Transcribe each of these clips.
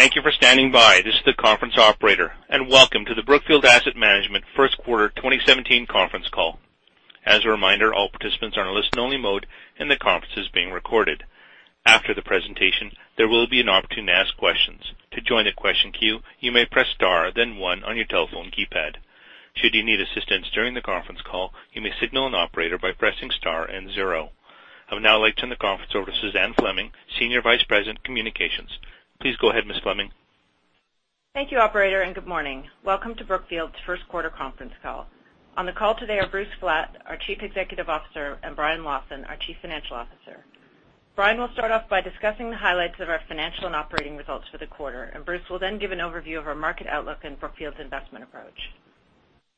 Thank you for standing by. This is the conference operator. Welcome to the Brookfield Asset Management first quarter 2017 conference call. As a reminder, all participants are in listen-only mode. The conference is being recorded. After the presentation, there will be an opportunity to ask questions. To join the question queue, you may press star then one on your telephone keypad. Should you need assistance during the conference call, you may signal an operator by pressing star and zero. I would now like to turn the conference over to Suzanne Fleming, Senior Vice President, Communications. Please go ahead, Ms. Fleming. Thank you, operator. Good morning. Welcome to Brookfield's first quarter conference call. On the call today are Bruce Flatt, our Chief Executive Officer, and Brian Lawson, our Chief Financial Officer. Brian will start off by discussing the highlights of our financial and operating results for the quarter. Bruce will then give an overview of our market outlook and Brookfield's investment approach.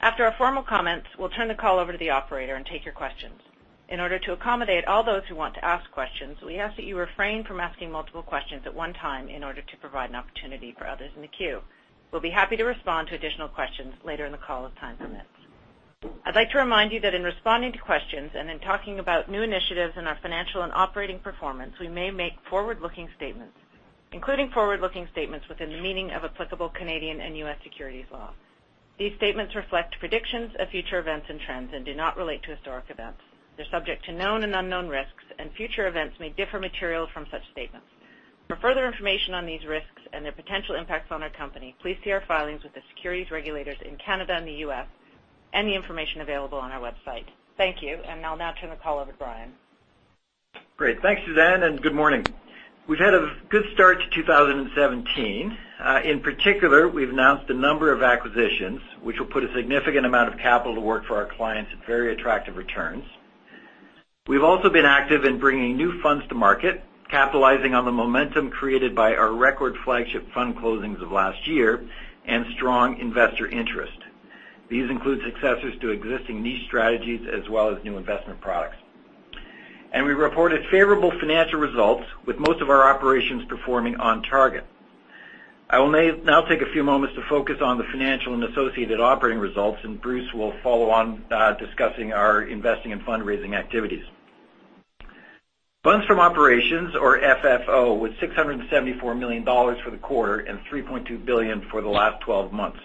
After our formal comments, we'll turn the call over to the operator and take your questions. In order to accommodate all those who want to ask questions, we ask that you refrain from asking multiple questions at one time in order to provide an opportunity for others in the queue. We'll be happy to respond to additional questions later in the call as time permits. I'd like to remind you that in responding to questions and in talking about new initiatives in our financial and operating performance, we may make forward-looking statements, including forward-looking statements within the meaning of applicable Canadian and U.S. securities law. These statements reflect predictions of future events and trends and do not relate to historic events. They're subject to known and unknown risks. Future events may differ materially from such statements. For further information on these risks and their potential impacts on our company, please see our filings with the securities regulators in Canada and the U.S. and the information available on our website. Thank you. I'll now turn the call over to Brian. Great. Thanks, Suzanne. Good morning. We've had a good start to 2017. In particular, we've announced a number of acquisitions, which will put a significant amount of capital to work for our clients at very attractive returns. We've also been active in bringing new funds to market, capitalizing on the momentum created by our record flagship fund closings of last year and strong investor interest. These include successors to existing niche strategies as well as new investment products. We reported favorable financial results with most of our operations performing on target. I will now take a few moments to focus on the financial and associated operating results. Bruce will follow on discussing our investing and fundraising activities. Funds from operations or FFO was $674 million for the quarter and $3.2 billion for the last 12 months.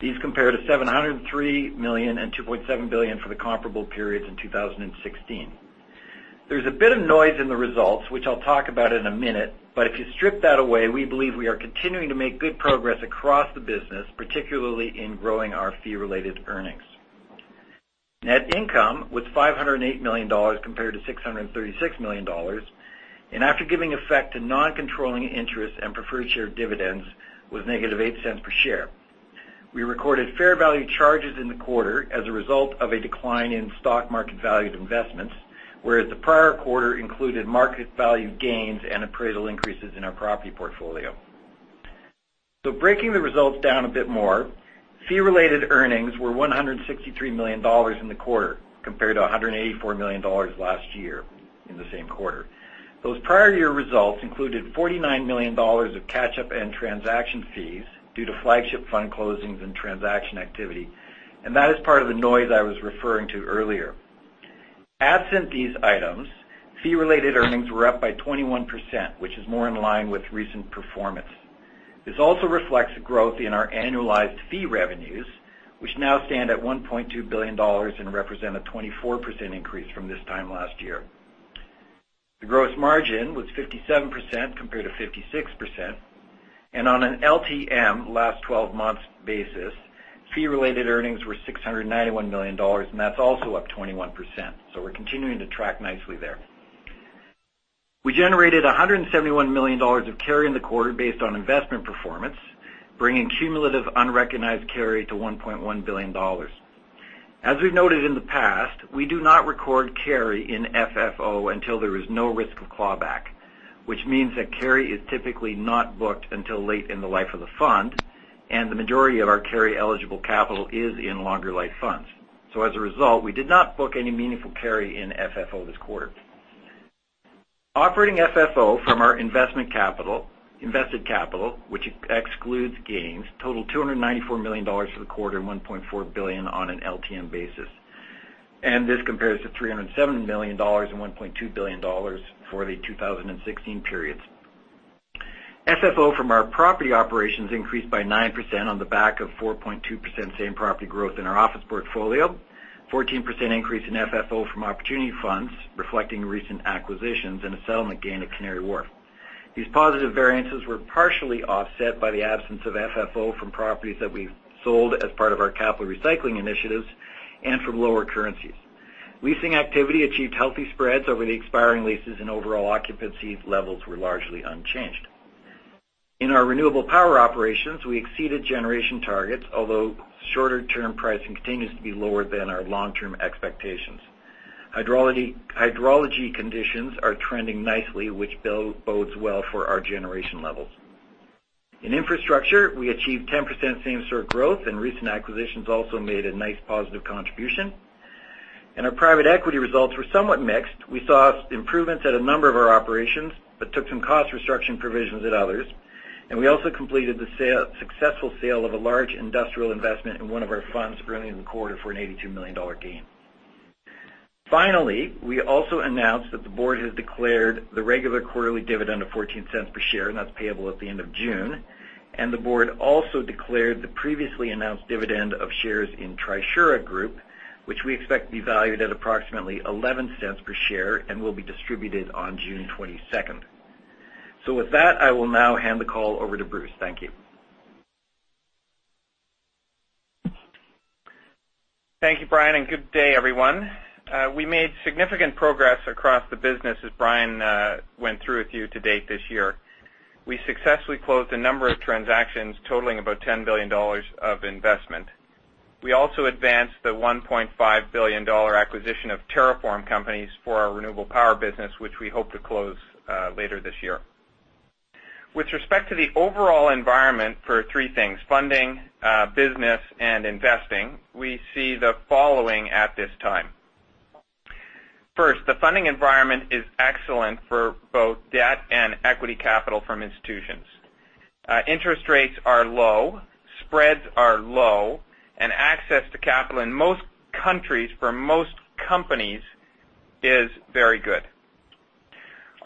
These compare to $703 million and $2.7 billion for the comparable periods in 2016. There's a bit of noise in the results, which I'll talk about in a minute, but if you strip that away, we believe we are continuing to make good progress across the business, particularly in growing our fee-related earnings. Net income was $508 million compared to $636 million, and after giving effect to non-controlling interests and preferred share dividends, was negative $0.08 per share. We recorded fair value charges in the quarter as a result of a decline in stock market valued investments, whereas the prior quarter included market value gains and appraisal increases in our property portfolio. Breaking the results down a bit more, fee-related earnings were $163 million in the quarter compared to $184 million last year in the same quarter. Those prior year results included $49 million of catch-up and transaction fees due to flagship fund closings and transaction activity, and that is part of the noise I was referring to earlier. Absent these items, fee-related earnings were up by 21%, which is more in line with recent performance. This also reflects growth in our annualized fee revenues, which now stand at $1.2 billion and represent a 24% increase from this time last year. The gross margin was 57% compared to 56%, and on an LTM, last 12 months basis, fee-related earnings were $691 million, and that's also up 21%. We're continuing to track nicely there. We generated $171 million of carry in the quarter based on investment performance, bringing cumulative unrecognized carry to $1.1 billion. As we've noted in the past, we do not record carry in FFO until there is no risk of clawback, which means that carry is typically not booked until late in the life of the fund, and the majority of our carry-eligible capital is in longer life funds. As a result, we did not book any meaningful carry in FFO this quarter. Operating FFO from our invested capital, which excludes gains, totaled $294 million for the quarter and $1.4 billion on an LTM basis. This compares to $307 million and $1.2 billion for the 2016 periods. FFO from our property operations increased by 9% on the back of 4.2% same property growth in our office portfolio, 14% increase in FFO from opportunity funds reflecting recent acquisitions, and a settlement gain at Canary Wharf. These positive variances were partially offset by the absence of FFO from properties that we've sold as part of our capital recycling initiatives and from lower currencies. Leasing activity achieved healthy spreads over the expiring leases, and overall occupancy levels were largely unchanged. In our renewable power operations, we exceeded generation targets, although shorter-term pricing continues to be lower than our long-term expectations. Hydrology conditions are trending nicely, which bodes well for our generation levels. In infrastructure, we achieved 10% same-store growth, and recent acquisitions also made a nice positive contribution. Our private equity results were somewhat mixed. We saw improvements at a number of our operations but took some cost reduction provisions at others, and we also completed the successful sale of a large industrial investment in one of our funds, bringing in the quarter for an $82 million gain. Finally, we also announced that the board has declared the regular quarterly dividend of $0.14 per share, that's payable at the end of June. The board also declared the previously announced dividend of shares in Trisura Group, which we expect to be valued at approximately $0.11 per share and will be distributed on June 22nd. With that, I will now hand the call over to Bruce. Thank you. Thank you, Brian, and good day everyone. We made significant progress across the business, as Brian went through with you to date this year. We successfully closed a number of transactions totaling about $10 billion of investment. We also advanced the $1.5 billion acquisition of TerraForm companies for our renewable power business, which we hope to close later this year. With respect to the overall environment for three things, funding, business, and investing, we see the following at this time. First, the funding environment is excellent for both debt and equity capital from institutions. Interest rates are low, spreads are low, access to capital in most countries for most companies is very good.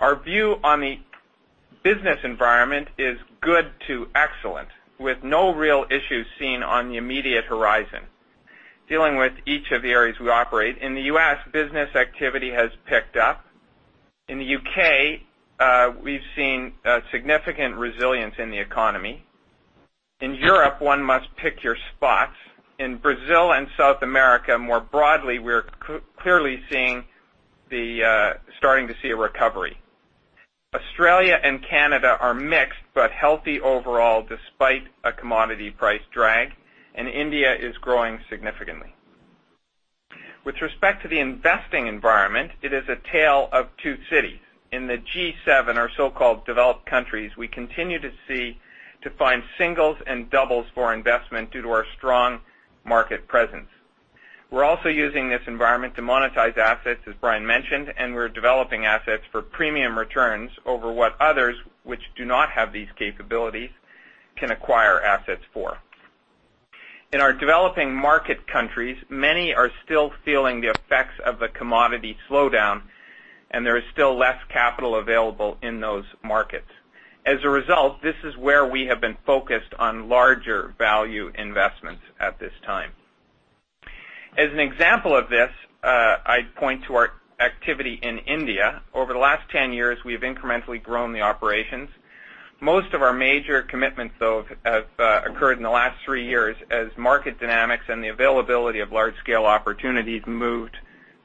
Our view on the business environment is good to excellent, with no real issues seen on the immediate horizon. Dealing with each of the areas we operate. In the U.S., business activity has picked up. In the U.K., we've seen significant resilience in the economy. In Europe, one must pick your spots. In Brazil and South America more broadly, we're starting to see a recovery. Australia and Canada are mixed but healthy overall despite a commodity price drag, India is growing significantly. With respect to the investing environment, it is a tale of two cities. In the G7, or so-called developed countries, we continue to find singles and doubles for investment due to our strong market presence. We're also using this environment to monetize assets, as Brian mentioned, we're developing assets for premium returns over what others, which do not have these capabilities, can acquire assets for. In our developing market countries, many are still feeling the effects of the commodity slowdown, there is still less capital available in those markets. As a result, this is where we have been focused on larger value investments at this time. As an example of this, I'd point to our activity in India. Over the last 10 years, we have incrementally grown the operations. Most of our major commitments, though, have occurred in the last three years as market dynamics and the availability of large-scale opportunities moved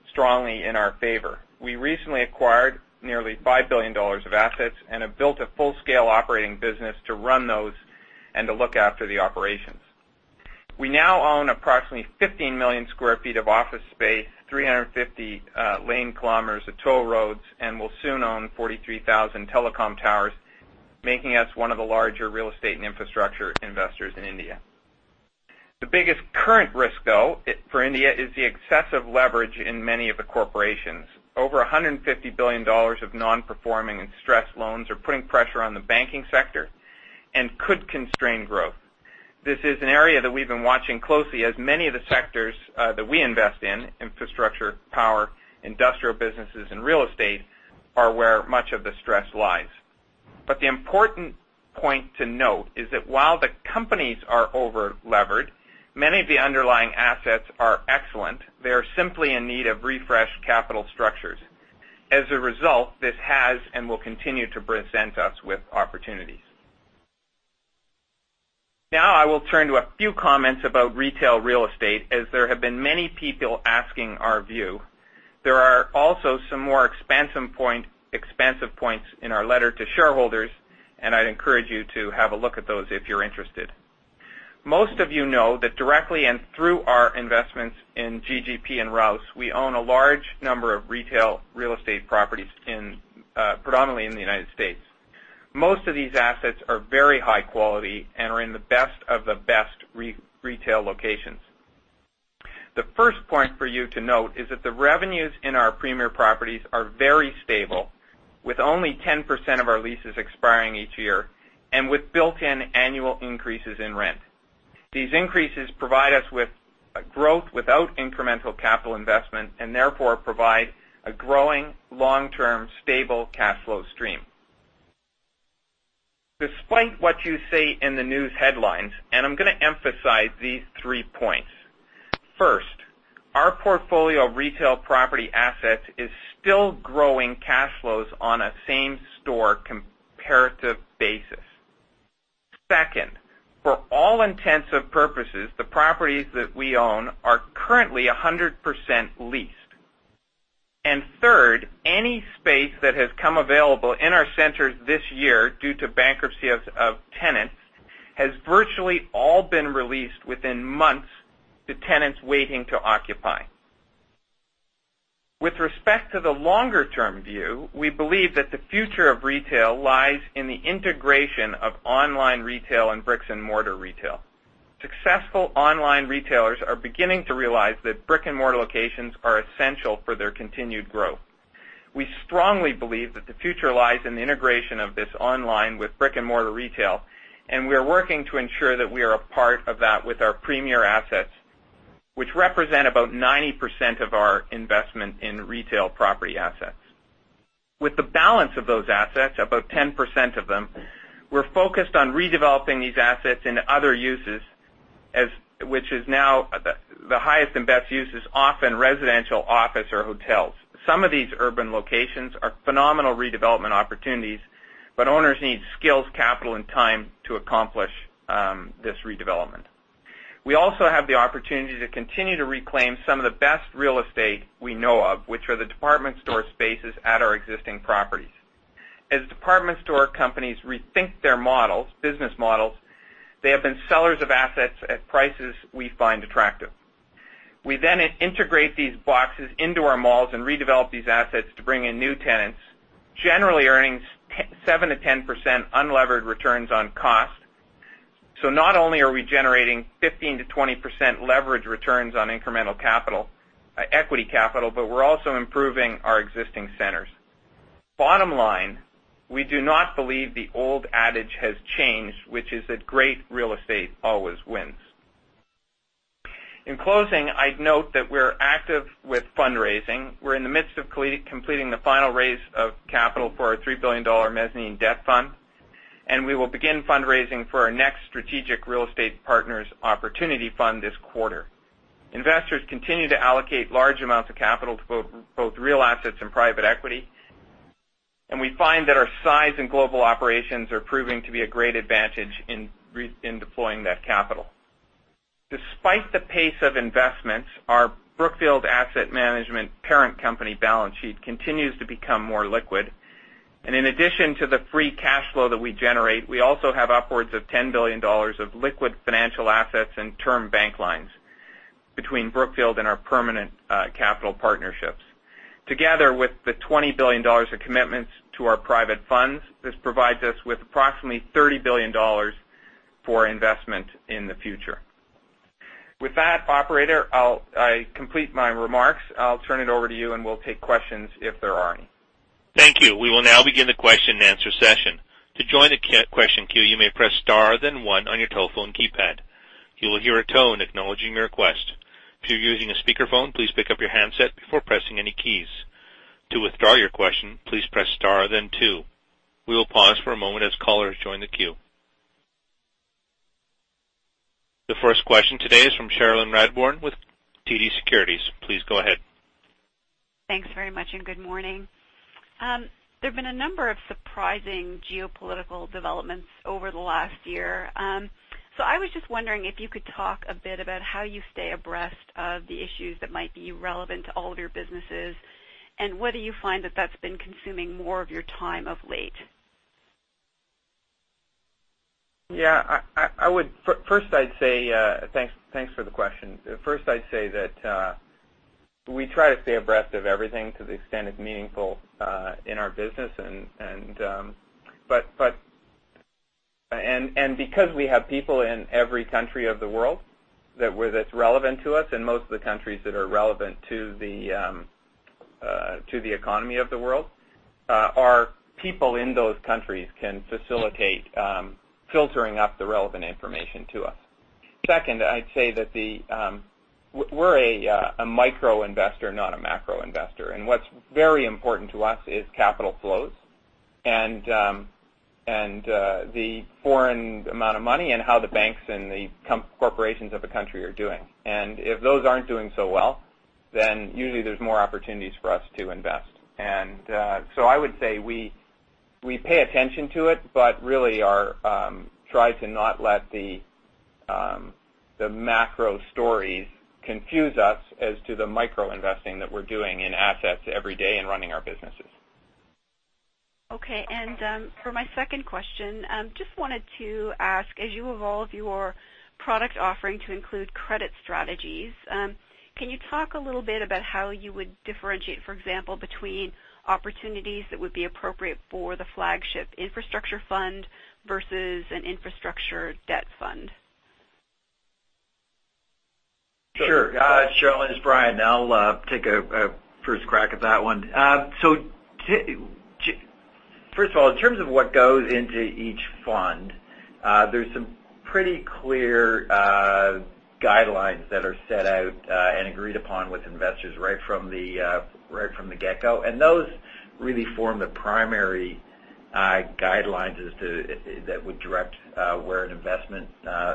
strongly in our favor. We recently acquired nearly $5 billion of assets and have built a full-scale operating business to run those and to look after the operations. We now own approximately 15 million square feet of office space, 350 lane kilometers of toll roads, and will soon own 43,000 telecom towers, making us one of the larger real estate and infrastructure investors in India. The biggest current risk, though, for India is the excessive leverage in many of the corporations. Over $150 billion of non-performing and stressed loans are putting pressure on the banking sector and could constrain growth. This is an area that we've been watching closely as many of the sectors that we invest in, infrastructure, power, industrial businesses, and real estate, are where much of the stress lies. The important point to note is that while the companies are over-levered, many of the underlying assets are excellent. They are simply in need of refreshed capital structures. As a result, this has and will continue to present us with opportunities. I will turn to a few comments about retail real estate, as there have been many people asking our view. There are also some more expansive points in our letter to shareholders, and I'd encourage you to have a look at those if you're interested. Most of you know that directly and through our investments in GGP and Rouse, we own a large number of retail real estate properties predominantly in the United States. Most of these assets are very high quality and are in the best of the best retail locations. The first point for you to note is that the revenues in our premier properties are very stable, with only 10% of our leases expiring each year, and with built-in annual increases in rent. These increases provide us with growth without incremental capital investment and therefore provide a growing long-term stable cash flow stream. Despite what you see in the news headlines, I'm going to emphasize these three points. First, our portfolio of retail property assets is still growing cash flows on a same-store comparative basis. Second, for all intents and purposes, the properties that we own are currently 100% leased. Third, any space that has come available in our centers this year due to bankruptcy of tenants has virtually all been released within months to tenants waiting to occupy. With respect to the longer-term view, we believe that the future of retail lies in the integration of online retail and bricks and mortar retail. Successful online retailers are beginning to realize that brick and mortar locations are essential for their continued growth. We strongly believe that the future lies in the integration of this online with brick and mortar retail, and we are working to ensure that we are a part of that with our premier assets, which represent about 90% of our investment in retail property assets. With the balance of those assets, about 10% of them, we're focused on redeveloping these assets into other uses, which now the highest and best use is often residential, office, or hotels. Some of these urban locations are phenomenal redevelopment opportunities, owners need skills, capital, and time to accomplish this redevelopment. We also have the opportunity to continue to reclaim some of the best real estate we know of, which are the department store spaces at our existing properties. As department store companies rethink their business models, they have been sellers of assets at prices we find attractive. We integrate these boxes into our malls and redevelop these assets to bring in new tenants, generally earning 7%-10% unlevered returns on cost. Not only are we generating 15%-20% leverage returns on incremental equity capital, but we're also improving our existing centers. Bottom line, we do not believe the old adage has changed, which is that great real estate always wins. In closing, I'd note that we're active with fundraising. We're in the midst of completing the final raise of capital for our $3 billion mezzanine debt fund, and we will begin fundraising for our next Strategic Real Estate Partners opportunity fund this quarter. Investors continue to allocate large amounts of capital to both real assets and private equity, and we find that our size and global operations are proving to be a great advantage in deploying that capital. Despite the pace of investments, our Brookfield Asset Management parent company balance sheet continues to become more liquid. In addition to the free cash flow that we generate, we also have upwards of $10 billion of liquid financial assets and term bank lines between Brookfield and our permanent capital partnerships. Together with the $20 billion of commitments to our private funds, this provides us with approximately $30 billion for investment in the future. With that, operator, I complete my remarks. I'll turn it over to you and we'll take questions if there are any. Thank you. We will now begin the question and answer session. To join the question queue, you may press star then one on your telephone keypad. You will hear a tone acknowledging your request. If you're using a speakerphone, please pick up your handset before pressing any keys. To withdraw your question, please press star then two. We will pause for a moment as callers join the queue. The first question today is from Cherilyn Radbourne with TD Securities. Please go ahead. Thanks very much. Good morning. There've been a number of surprising geopolitical developments over the last year. I was just wondering if you could talk a bit about how you stay abreast of the issues that might be relevant to all of your businesses, and whether you find that that's been consuming more of your time of late. Thanks for the question. First, I'd say that we try to stay abreast of everything to the extent it's meaningful in our business. Because we have people in every country of the world where that's relevant to us and most of the countries that are relevant to the economy of the world, our people in those countries can facilitate filtering up the relevant information to us. Second, I'd say that we're a micro investor, not a macro investor. What's very important to us is capital flows and the foreign amount of money and how the banks and the corporations of a country are doing. If those aren't doing so well, then usually there's more opportunities for us to invest. I would say we pay attention to it, but really try to not let the macro stories confuse us as to the micro investing that we're doing in assets every day in running our businesses. Okay. For my second question, just wanted to ask, as you evolve your product offering to include credit strategies, can you talk a little bit about how you would differentiate, for example, between opportunities that would be appropriate for the flagship infrastructure fund versus an infrastructure debt fund? Sure. Cherilyn, it's Brian. I'll take a first crack at that one. First of all, in terms of what goes into each fund, there's some pretty clear guidelines that are set out and agreed upon with investors right from the get-go. Those really form the primary guidelines that would direct where an investment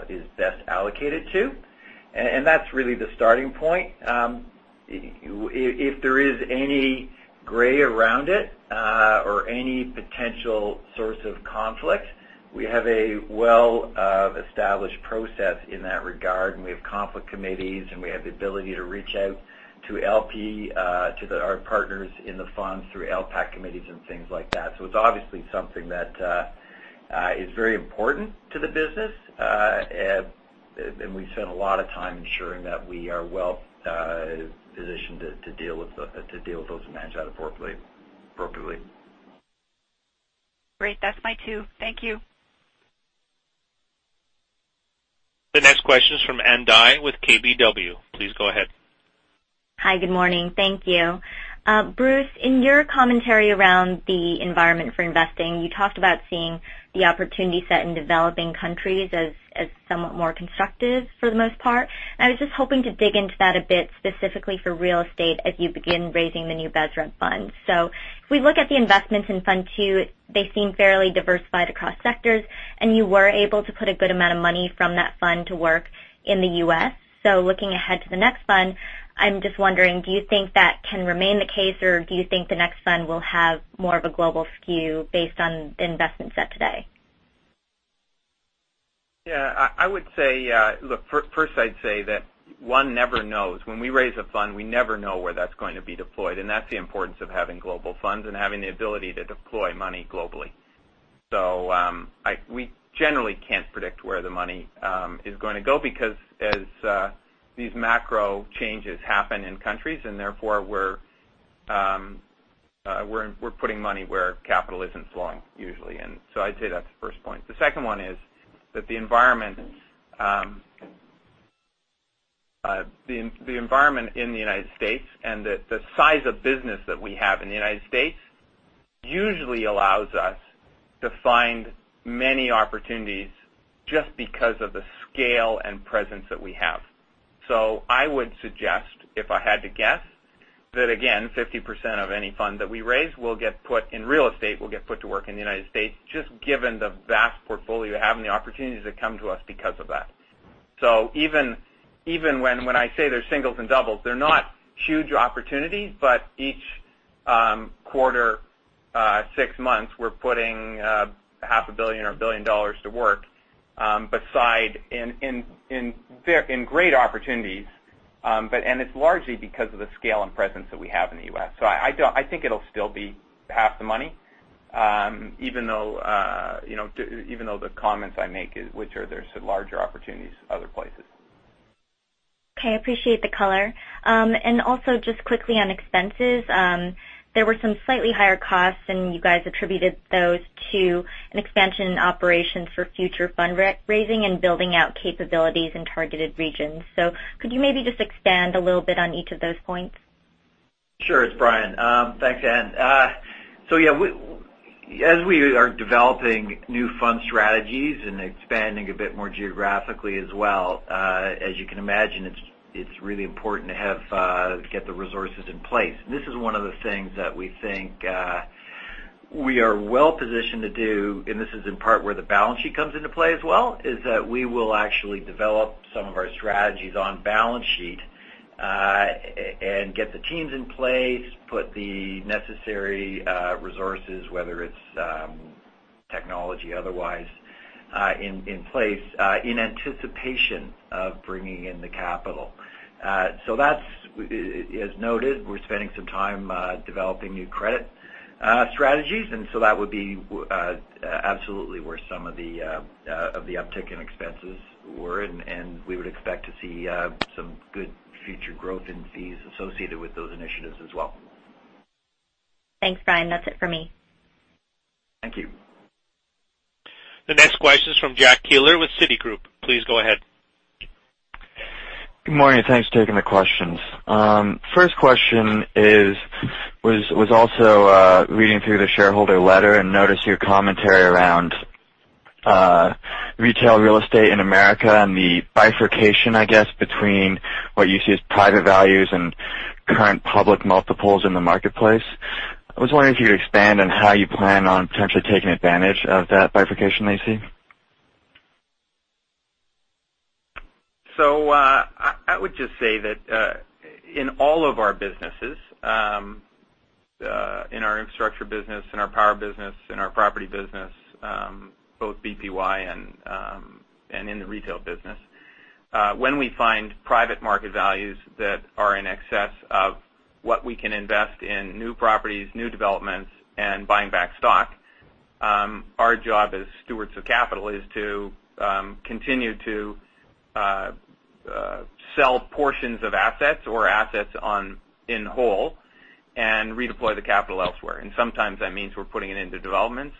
is best allocated to. That's really the starting point. If there is any gray around it or any potential source of conflict, we have a well-established process in that regard, and we have conflict committees, and we have the ability to reach out to our partners in the funds through LPAC committees and things like that. It's obviously something that is very important to the business. We've spent a lot of time ensuring that we are well positioned to deal with those and manage that appropriately. Great. That's my two. Thank you. Questions from Ann Dai with KBW. Please go ahead. Hi. Good morning. Thank you. Bruce, in your commentary around the environment for investing, you talked about seeing the opportunity set in developing countries as somewhat more constructive for the most part. I was just hoping to dig into that a bit, specifically for real estate as you begin raising the new BSREP funds. If we look at the investments in Fund II, they seem fairly diversified across sectors. You were able to put a good amount of money from that fund to work in the U.S. Looking ahead to the next fund, I'm just wondering, do you think that can remain the case, or do you think the next fund will have more of a global skew based on the investment set today? Yeah. First I'd say that one never knows. When we raise a fund, we never know where that's going to be deployed. That's the importance of having global funds and having the ability to deploy money globally. We generally can't predict where the money is going to go because as these macro changes happen in countries. Therefore we're putting money where capital isn't flowing usually. I'd say that's the first point. The second one is that the environment in the United States and the size of business that we have in the United States usually allows us to find many opportunities just because of the scale and presence that we have. I would suggest, if I had to guess, that again, 50% of any fund that we raise will get put in real estate, will get put to work in the U.S., just given the vast portfolio we have and the opportunities that come to us because of that. Even when I say they're singles and doubles, they're not huge opportunities, but each quarter, six months, we're putting a half a billion or $1 billion to work in great opportunities, and it's largely because of the scale and presence that we have in the U.S. I think it'll still be half the money, even though the comments I make, which are there's larger opportunities other places. Okay. Appreciate the color. Also just quickly on expenses. There were some slightly higher costs, and you guys attributed those to an expansion in operations for future fundraising and building out capabilities in targeted regions. Could you maybe just expand a little bit on each of those points? Sure. It's Brian. Thanks, Ann. Yeah, as we are developing new fund strategies and expanding a bit more geographically as well, as you can imagine, it's really important to get the resources in place. This is one of the things that we think we are well positioned to do, and this is in part where the balance sheet comes into play as well, is that we will actually develop some of our strategies on balance sheet, and get the teams in place, put the necessary resources, whether it's technology otherwise, in place, in anticipation of bringing in the capital. As noted, we're spending some time developing new credit strategies, that would be absolutely where some of the uptick in expenses were, and we would expect to see some good future growth in fees associated with those initiatives as well. Thanks, Brian. That's it for me. Thank you. The next question is from Tarik Jaafar with Citigroup. Please go ahead. Good morning. Thanks for taking the questions. First question is, was also reading through the shareholder letter and notice your commentary around retail real estate in America and the bifurcation, I guess, between what you see as private values and current public multiples in the marketplace. I was wondering if you could expand on how you plan on potentially taking advantage of that bifurcation that you see. I would just say that in all of our businesses, in our infrastructure business, in our power business, in our property business, both BPY and in the retail business. When we find private market values that are in excess of what we can invest in new properties, new developments and buying back stock, our job as stewards of capital is to continue to sell portions of assets or assets in whole and redeploy the capital elsewhere. Sometimes that means we're putting it into developments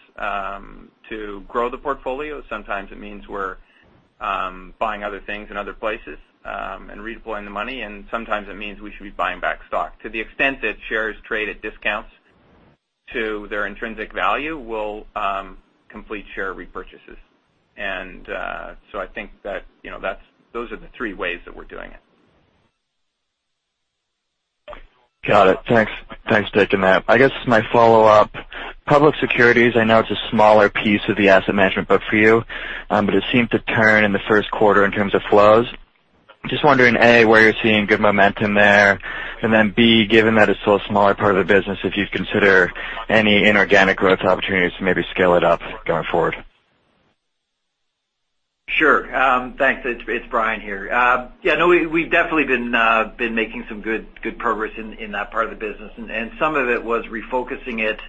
to grow the portfolio. Sometimes it means we're buying other things in other places and redeploying the money, and sometimes it means we should be buying back stock. To the extent that shares trade at discounts to their intrinsic value, we'll complete share repurchases. I think that those are the three ways that we're doing it. Got it. Thanks. Thanks for taking that. I guess my follow-up. Public securities, I know it's a smaller piece of the asset management book for you, but it seemed to turn in the first quarter in terms of flows. Just wondering, A, where you're seeing good momentum there, and then B, given that it's still a smaller part of the business, if you'd consider any inorganic growth opportunities to maybe scale it up going forward. Sure. Thanks. It's Brian here. Yeah, no, we've definitely been making some good progress in that part of the business. Some of it was refocusing it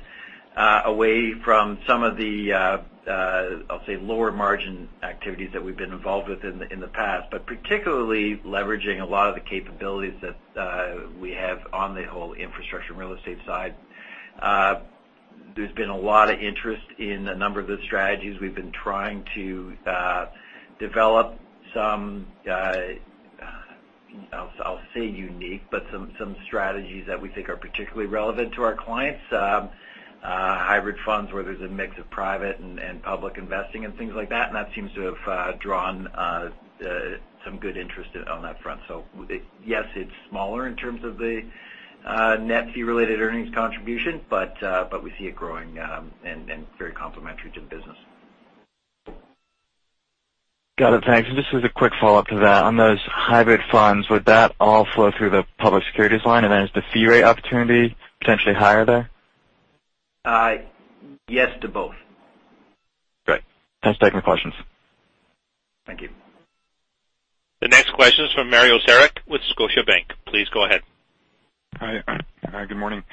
away from some of the, I'll say, lower margin activities that we've been involved with in the past. Particularly leveraging a lot of the capabilities that we have on the whole infrastructure and real estate side. There's been a lot of interest in a number of the strategies we've been trying to develop, some, I'll say unique, but some strategies that we think are particularly relevant to our clients. Hybrid funds where there's a mix of private and public investing and things like that seems to have drawn some good interest on that front. Yes, it's smaller in terms of the net fee-related earnings contribution, but we see it growing and very complementary to the business. Got it. Thanks. Just as a quick follow-up to that, on those hybrid funds, would that all flow through the public securities line? Is the fee rate opportunity potentially higher there? Yes to both. Great. Thanks for taking the questions. Thank you. The next question is from Mario Saric with Scotiabank. Please go ahead. Hi. Good morning.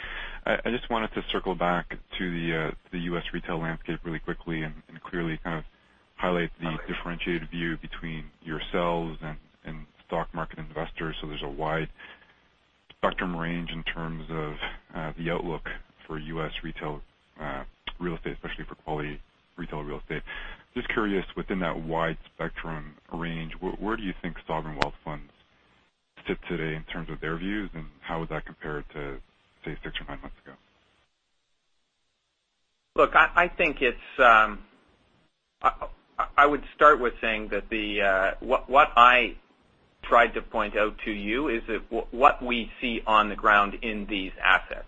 I just wanted to circle back to the U.S. retail landscape really quickly and clearly highlight the differentiated view between yourselves and stock market investors. There's a wide spectrum range in terms of the outlook for U.S. retail real estate, especially for quality retail real estate. Just curious, within that wide spectrum range, where do you think sovereign wealth funds sit today in terms of their views, and how would that compare to, say, six or nine months ago? Look, I would start with saying that what I tried to point out to you is that what we see on the ground in these assets.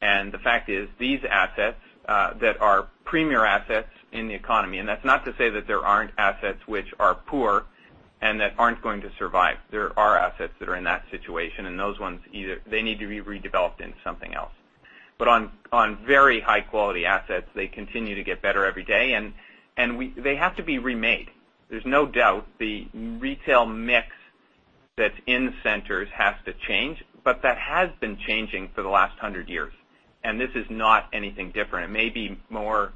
The fact is, these assets that are premier assets in the economy, and that's not to say that there aren't assets which are poor and that aren't going to survive. There are assets that are in that situation, and those ones, they need to be redeveloped into something else. On very high-quality assets, they continue to get better every day, and they have to be remade. There's no doubt the retail mix that's in centers has to change, but that has been changing for the last 100 years, and this is not anything different. It may be more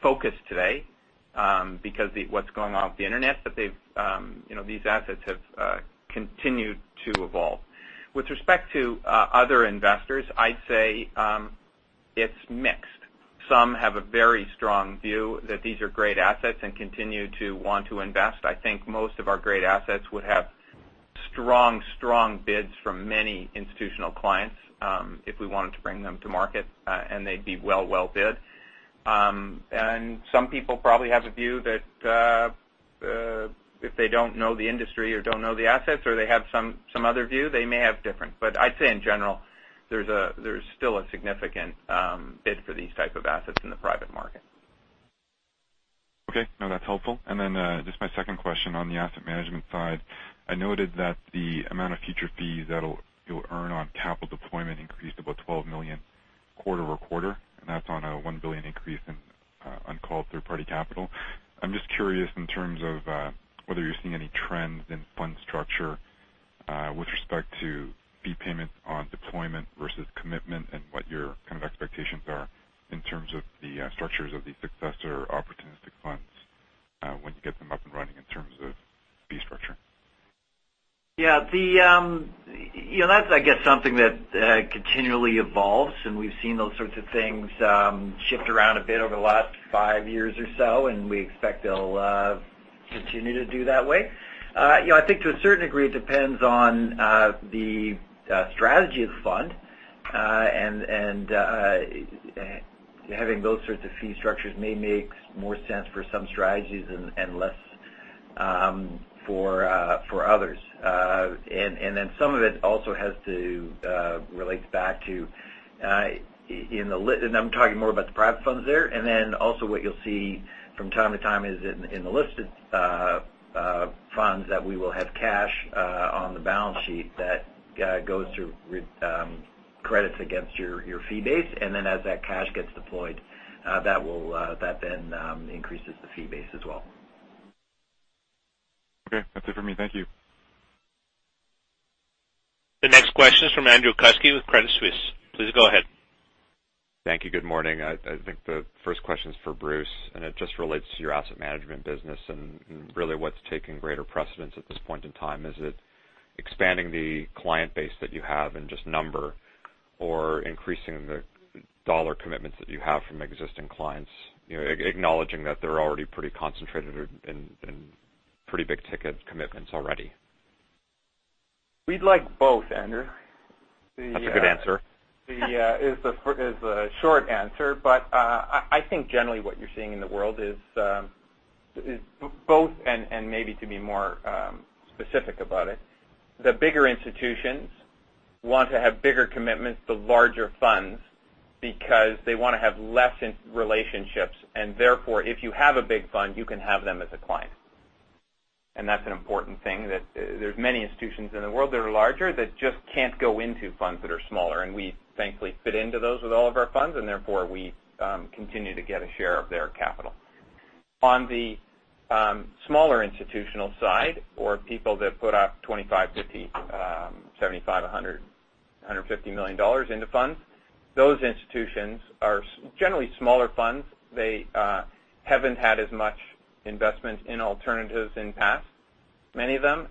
focused today because of what's going on with the Internet, but these assets have continued to evolve. With respect to other investors, I'd say it's mixed. Some have a very strong view that these are great assets and continue to want to invest. I think most of our great assets would have strong bids from many institutional clients if we wanted to bring them to market, and they'd be well bid. Some people probably have a view that if they don't know the industry or don't know the assets, or they have some other view, they may have different. I'd say in general, there's still a significant bid for these type of assets in the private market. Okay. No, that's helpful. Just my second question on the asset management side. I noted that the amount of future fees that you'll earn on capital deployment increased about $12 million quarter-over-quarter, and that's on a $1 billion increase in uncalled third-party capital. I'm just curious in terms of whether you're seeing any trends in fund structure with respect to fee payment on deployment versus commitment, and what your expectations are in terms of the structures of the successor opportunistic funds when you get them up and running in terms of fee structure. That's, I guess, something that continually evolves. We've seen those sorts of things shift around a bit over the last five years or so, and we expect they'll continue to do that way. I think to a certain degree, it depends on the strategy of the fund, and having those sorts of fee structures may make more sense for some strategies and less for others. Some of it also has to relate back to, and I'm talking more about the private funds there, and also what you'll see from time to time is in the listed funds that we will have cash on the balance sheet that goes through credits against your fee base. As that cash gets deployed, that then increases the fee base as well. Okay. That's it for me. Thank you. The next question is from Andrew Kuske with Credit Suisse. Please go ahead. Thank you. Good morning. I think the first question's for Bruce, and it just relates to your asset management business and really what's taking greater precedence at this point in time. Is it expanding the client base that you have in just number or increasing the dollar commitments that you have from existing clients, acknowledging that they're already pretty concentrated in pretty big-ticket commitments already? We'd like both, Andrew. That's a good answer. Is the short answer. I think generally what you're seeing in the world is both. Maybe to be more specific about it, the bigger institutions want to have bigger commitments to larger funds because they want to have less relationships, and therefore, if you have a big fund, you can have them as a client. That's an important thing that there's many institutions in the world that are larger that just can't go into funds that are smaller, and we thankfully fit into those with all of our funds, and therefore we continue to get a share of their capital. On the smaller institutional side, or people that put up $25 million, $50 million, $75 million, $100 million, $150 million into funds, those institutions are generally smaller funds. They haven't had as much investment in alternatives in the past. Many of them,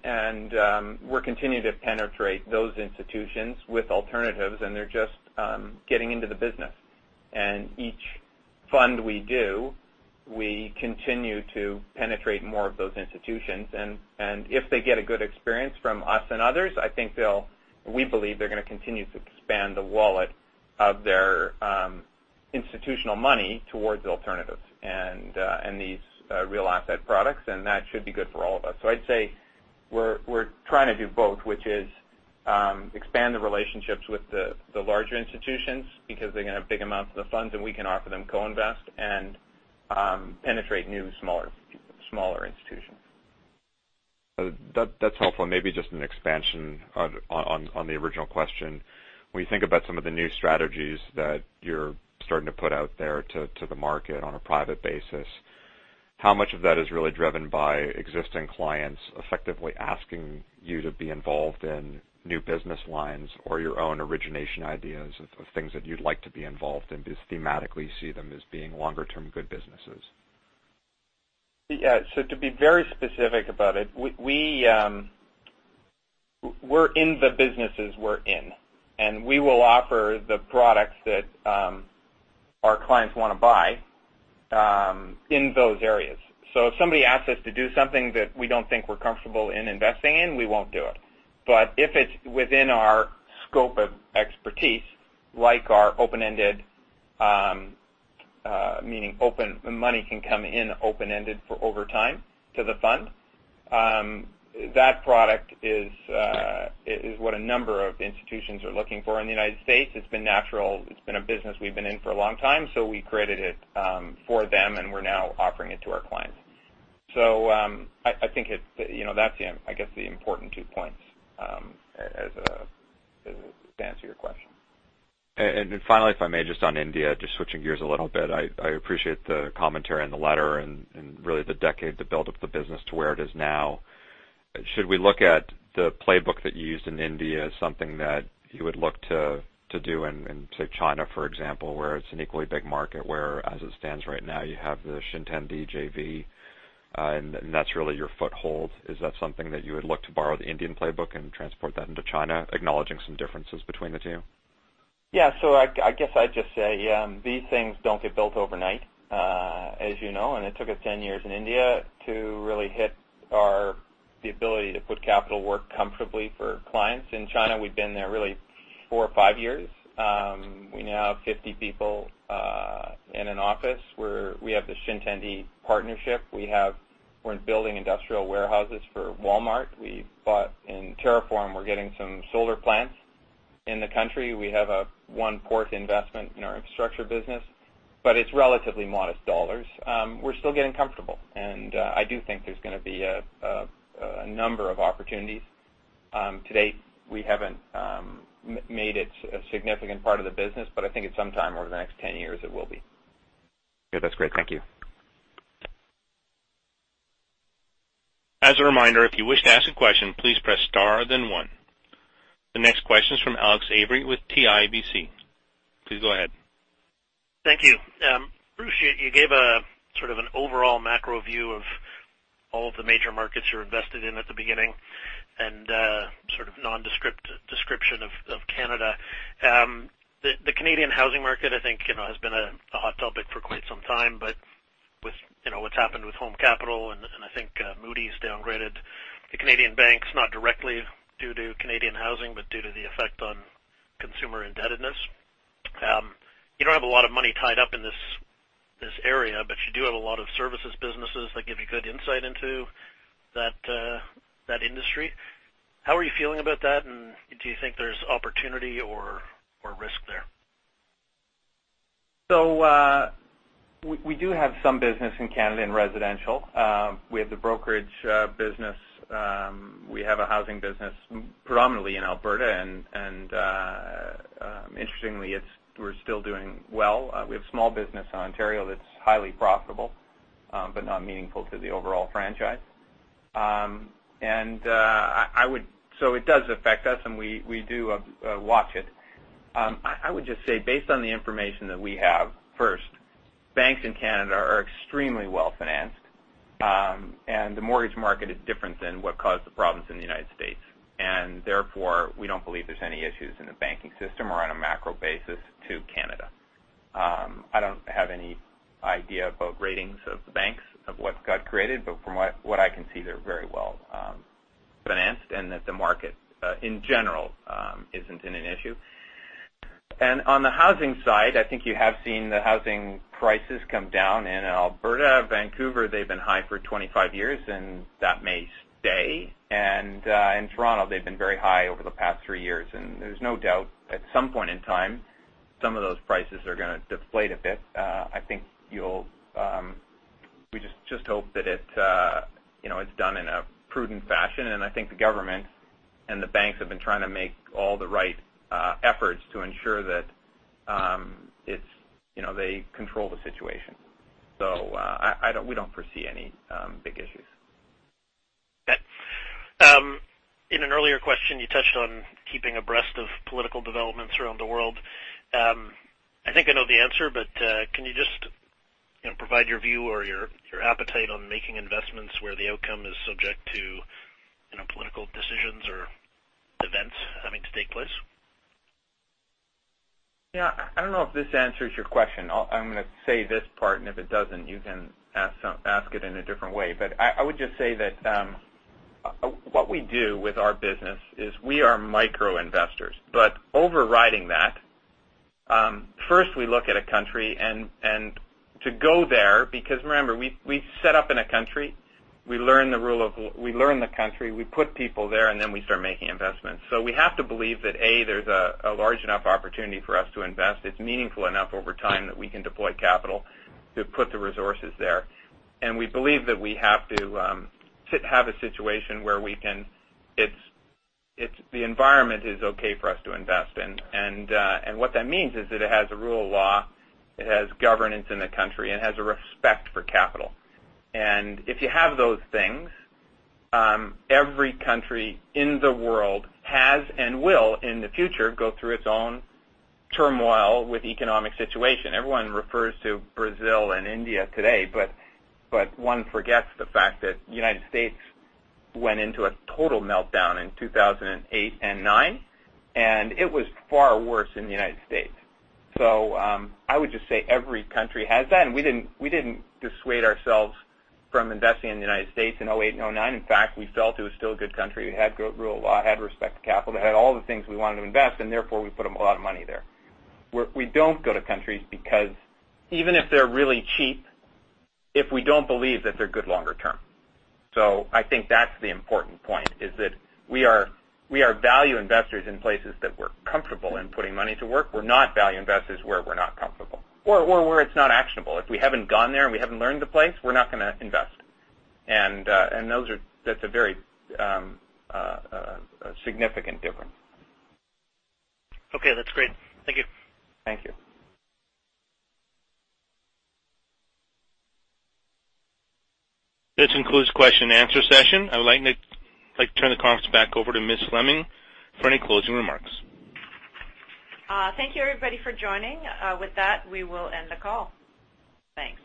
we're continuing to penetrate those institutions with alternatives, and they're just getting into the business. Each fund we do, we continue to penetrate more of those institutions. If they get a good experience from us and others, we believe they're going to continue to expand the wallet of their institutional money towards alternatives and these real asset products, and that should be good for all of us. I'd say we're trying to do both, which is expand the relationships with the larger institutions because they're going to have big amounts of the funds, and we can offer them co-invest and penetrate new, smaller institutions. That's helpful. Maybe just an expansion on the original question. When you think about some of the new strategies that you're starting to put out there to the market on a private basis, how much of that is really driven by existing clients effectively asking you to be involved in new business lines or your own origination ideas of things that you'd like to be involved in because thematically you see them as being longer-term good businesses? Yeah. To be very specific about it, we're in the businesses we're in, and we will offer the products that our clients want to buy in those areas. If somebody asks us to do something that we don't think we're comfortable in investing in, we won't do it. If it's within our scope of expertise, like our open-ended, meaning money can come in open-ended for over time to the fund. That product is what a number of institutions are looking for in the U.S. It's been natural. It's been a business we've been in for a long time, we created it for them, and we're now offering it to our clients. I think that's the important two points to answer your question. Finally, if I may, just on India, just switching gears a little. I appreciate the commentary in the letter and really the decade to build up the business to where it is now. Should we look at the playbook that you used in India as something that you would look to do in, say, China, for example, where it's an equally big market, where as it stands right now, you have the Xintiandi JV, and that's really your foothold. Is that something that you would look to borrow the Indian playbook and transport that into China, acknowledging some differences between the two? Yeah. I guess I'd just say these things don't get built overnight, as you know, and it took us 10 years in India to really hit the ability to put capital work comfortably for clients. In China, we've been there really four or five years. We now have 50 people in an office where we have the Xintiandi partnership. We're building industrial warehouses for Walmart. We bought in TerraForm. We're getting some solar plants in the country. We have one port investment in our infrastructure business, but it's relatively modest U.S. dollars. We're still getting comfortable, and I do think there's going to be a number of opportunities. To date, we haven't made it a significant part of the business, but I think at some time over the next 10 years, it will be. Yeah. That's great. Thank you. As a reminder, if you wish to ask a question, please press star then one. The next question is from Alex Avery with CIBC. Please go ahead. Thank you. Bruce, you gave a sort of an overall macro view of all of the major markets you were invested in at the beginning and a sort of nondescript description of Canada. With what's happened with Home Capital, and I think Moody's downgraded the Canadian banks, not directly due to Canadian housing, but due to the effect on consumer indebtedness. You don't have a lot of money tied up in this area, but you do have a lot of services businesses that give you good insight into that industry. How are you feeling about that, and do you think there's opportunity or risk there? We do have some business in Canada in residential. We have the brokerage business. We have a housing business predominantly in Alberta, interestingly, we're still doing well. We have small business in Ontario that's highly profitable but not meaningful to the overall franchise. It does affect us, and we do watch it. I would just say based on the information that we have, first, banks in Canada are extremely well-financed. The mortgage market is different than what caused the problems in the U.S. Therefore, we don't believe there's any issues in the banking system or on a macro basis to Canada. I don't have any idea about ratings of the banks, of what got created. From what I can see, they're very well-financed, and that the market in general isn't in an issue. On the housing side, I think you have seen the housing prices come down in Alberta. Vancouver, they've been high for 25 years, and that may stay. In Toronto, they've been very high over the past three years. There's no doubt at some point in time, some of those prices are going to deflate a bit. We just hope that it's done in a prudent fashion, and I think the government and the banks have been trying to make all the right efforts to ensure that they control the situation. We don't foresee any big issues. Got it. In an earlier question, you touched on keeping abreast of political developments around the world. I think I know the answer, but can you just provide your view or your appetite on making investments where the outcome is subject to political decisions or events having to take place. Yeah. I don't know if this answers your question. I'm going to say this part, and if it doesn't, you can ask it in a different way. I would just say that what we do with our business is we are micro investors. Overriding that, first we look at a country and to go there, because remember, we set up in a country, we learn the country, we put people there, and then we start making investments. We have to believe that, A, there's a large enough opportunity for us to invest. It's meaningful enough over time that we can deploy capital to put the resources there. We believe that we have to have a situation where the environment is okay for us to invest in. What that means is that it has a rule of law, it has governance in the country, and it has a respect for capital. If you have those things, every country in the world has and will, in the future, go through its own turmoil with economic situation. Everyone refers to Brazil and India today, but one forgets the fact that the U.S. went into a total meltdown in 2008 and 2009, and it was far worse in the U.S. I would just say every country has that, and we didn't dissuade ourselves from investing in the U.S. in 2008 and 2009. In fact, we felt it was still a good country. It had good rule of law, it had respect to capital. It had all the things we wanted to invest, and therefore we put a lot of money there. We don't go to countries because even if they're really cheap, if we don't believe that they're good longer term. I think that's the important point, is that we are value investors in places that we're comfortable in putting money to work. We're not value investors where we're not comfortable or where it's not actionable. If we haven't gone there and we haven't learned the place, we're not going to invest. That's a very significant difference. Okay, that's great. Thank you. Thank you. This concludes question-and-answer session. I would like to turn the conference back over to Ms. Fleming for any closing remarks. Thank you, everybody, for joining. With that, we will end the call. Thanks.